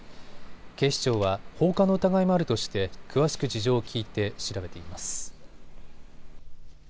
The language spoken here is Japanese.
警視庁は放火の疑いもあるとして詳しく事情を聞いて調べています。